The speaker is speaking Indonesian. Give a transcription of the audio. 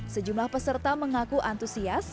sejumlah peserta mengaku antusias